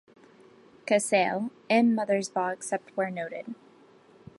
Casale, M. Mothersbaugh except where noted.